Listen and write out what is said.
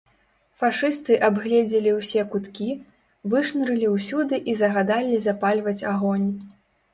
Фашысты абгледзелі ўсе куткі, вышнырылі ўсюды і загадалі запальваць агонь.